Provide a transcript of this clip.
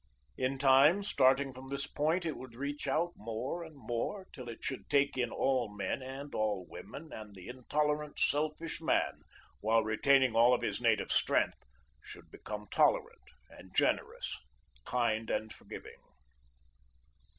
In time, starting from this point it would reach out more and more till it should take in all men and all women, and the intolerant selfish man, while retaining all of his native strength, should become tolerant and generous, kind and forgiving.